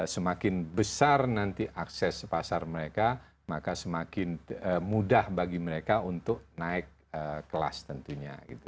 semakin besar nanti akses pasar mereka maka semakin mudah bagi mereka untuk naik kelas tentunya